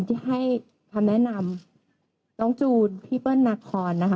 ที่ให้คำแนะนำน้องจูนพี่เปิ้ลนาคอนนะคะ